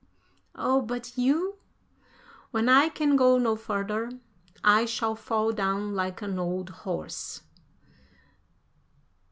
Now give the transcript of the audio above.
"Oh, but you?" "When I can go no farther, I shall fall down like an old horse."